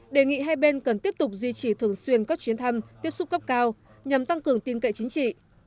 đề nghị hai bên cần tiếp tục duy trì thường xuyên các chuyến thăm tiếp xúc cấp cao nhằm tăng cường tin cậy chính trị